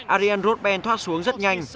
arianne rothbend thoát xuống rất nhanh